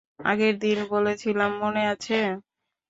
আগেরদিন বলেছিলাম, মনে আছে?